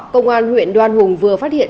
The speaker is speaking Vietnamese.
công an huyện đoan hùng vừa phát hiện